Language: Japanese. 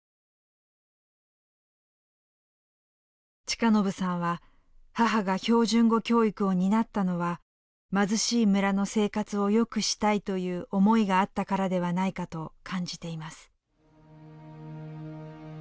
親信さんは母が標準語教育を担ったのは貧しい村の生活をよくしたいという思いがあったからではないかと感じています。